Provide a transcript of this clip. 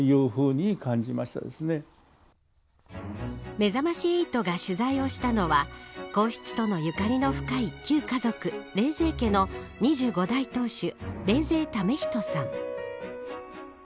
めざまし８が取材をしたのは皇室とのゆかりの深い旧華族冷泉家の２５代当主冷泉為人さん。